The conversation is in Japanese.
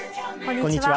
こんにちは。